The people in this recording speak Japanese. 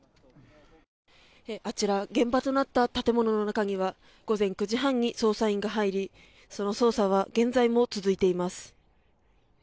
あちら現場となった建物の中には午前９時半に捜査員が入りその捜査は現在も続いています。